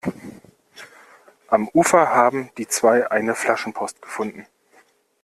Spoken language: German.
Am Ufer haben die zwei eine Flaschenpost gefunden.